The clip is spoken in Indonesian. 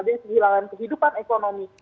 dia kehilangan kehidupan ekonomi